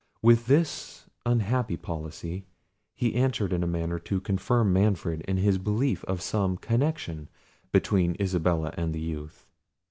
With this unhappy policy, he answered in a manner to confirm Manfred in the belief of some connection between Isabella and the youth.